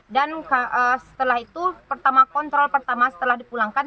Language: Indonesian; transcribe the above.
dan setelah itu kontrol pertama setelah dipulangkan